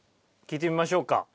聴いてみましょうか。